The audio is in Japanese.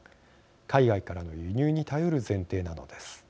海外からの輸入に頼る前提なのです。